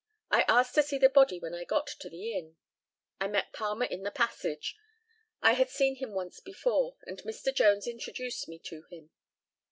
I asked to see the body when I got to the inn. I met Palmer in the passage. I had seen him once before, and Mr. Jones introduced me to him.